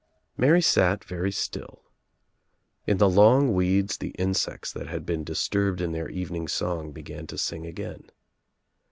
Mary sat very still. In the long weeds the insects that had been disturbed in their evening song began to sing again.